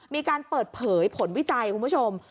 มีการเปิดเผยผลวิจัยคุณผู้ชม